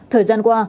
thời gian qua